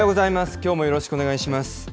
きょうもよろしくお願いします。